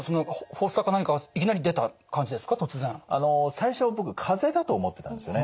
最初は僕かぜだと思ってたんですよね。